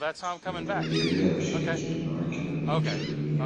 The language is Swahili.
Imerejelea ushirikiano wake na Benki ya Dunia